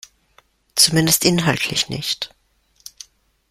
Zumindest inhaltlich nicht.